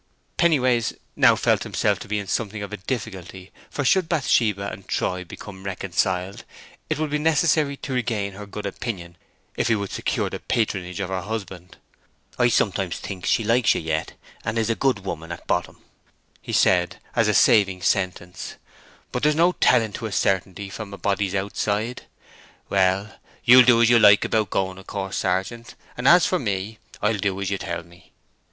Pennyways now felt himself to be in something of a difficulty, for should Bathsheba and Troy become reconciled it would be necessary to regain her good opinion if he would secure the patronage of her husband. "I sometimes think she likes you yet, and is a good woman at bottom," he said, as a saving sentence. "But there's no telling to a certainty from a body's outside. Well, you'll do as you like about going, of course, sergeant, and as for me, I'll do as you tell me."